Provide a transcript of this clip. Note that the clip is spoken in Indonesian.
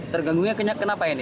terganggu kenapa ini